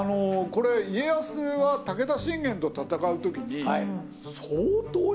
これ家康は武田信玄と戦うときに。